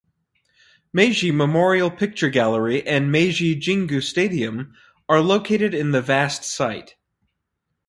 Meiji Memorial Picture Gallery and Meiji Jingu Stadium are located in the vast site.